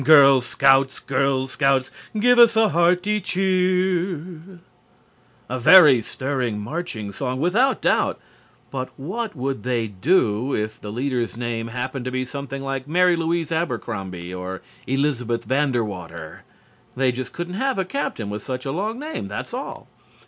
Girl Scouts, Girl Scouts, give us a hearty cheer_! A very stirring marching song, without doubt, but what would they do if the leader's name happened to be something like Mary Louise Abercrombie or Elizabeth Van Der Water? They just couldn't have a Captain with such a long name, that's all.